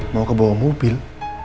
mau ke bawah mobil